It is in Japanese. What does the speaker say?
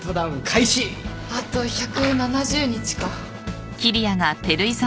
あと１７０日か。